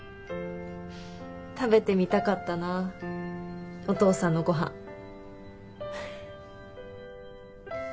食べてみたかったなお父さんのごはん。